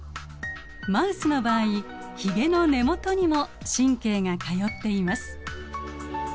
マウスの場合ひげの根元にも神経が通っています。